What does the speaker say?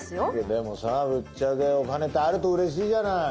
でもさぶっちゃけお金ってあるとうれしいじゃない。